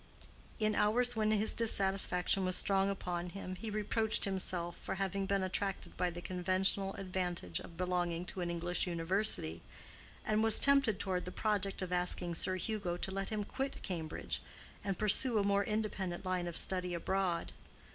In hours when his dissatisfaction was strong upon him he reproached himself for having been attracted by the conventional advantage of belonging to an English university, and was tempted toward the project of asking Sir Hugo to let him quit Cambridge and pursue a more independent line of study abroad.